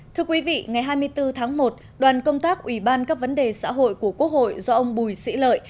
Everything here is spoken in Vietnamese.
thưa quý vị ngày hai mươi bốn tháng một đoàn công tác ủy ban các vấn đề xã hội của quốc hội do ông bùi sĩ lợi